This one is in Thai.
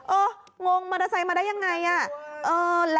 งงมอเตอร์ไซค์มาได้ยังไงอ่ะ